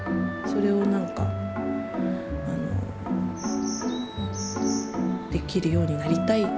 それをなんかできるようになりたい。